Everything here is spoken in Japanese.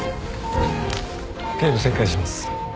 頸部切開します。